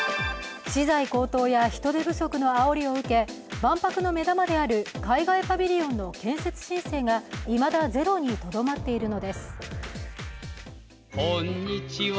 資材高騰や人手不足のあおり受け、万博の目玉である海外パビリオンの建設申請がいまだゼロにとどまっているのです。